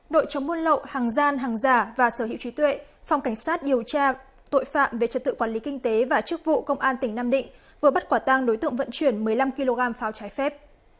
đội chống buôn lậu hàng gian hàng giả và sở hữu trí tuệ phòng cảnh sát điều tra tội phạm về trật tự quản lý kinh tế và chức vụ công an tỉnh nam định vừa bắt quả tang đối tượng vận chuyển một mươi năm kg pháo trái phép